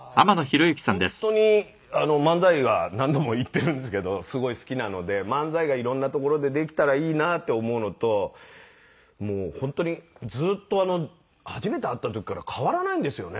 ああー本当に漫才が何度も言ってるんですけどすごい好きなので漫才が色んな所でできたらいいなって思うのともう本当にずっと初めて会った時から変わらないんですよね。